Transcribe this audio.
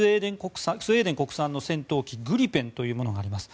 スウェーデン国産の戦闘機グリペンというものがあります。